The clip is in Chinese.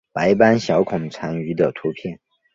白斑小孔蟾鱼的图片